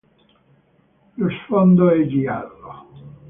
Lo sfondo è giallo.